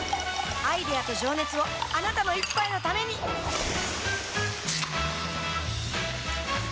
アイデアと情熱をあなたの一杯のためにプシュッ！